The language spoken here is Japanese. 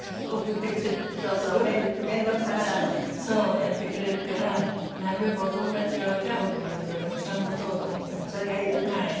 やってくれるからなるべくお友達は若いお友達をたくさん持とうと思ってます。